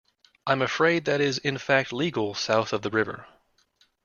I'm afraid that is in fact legal south of the river.